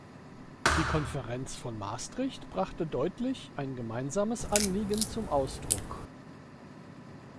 Die Konferenz von Maastricht brachte deutlich ein gemeinsames Anliegen zum Ausdruck.